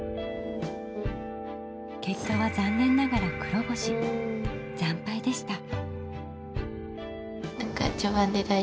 結果は残念ながら黒星惨敗でした。